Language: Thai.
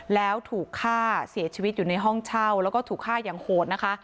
แล้วถูกฆ่าเสียชีวิตอยู่ในห้องเช่าแล้วก็ถูกฆ่าอย่างโหดนะคะ